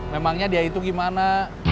memangnya dia itu gimana